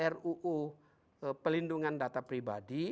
ruu pelindungan data pribadi